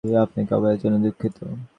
আপনাকে অবহেলার জন্য দুঃখিত।